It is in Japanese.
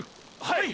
はい！！